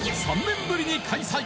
３年ぶりに開催！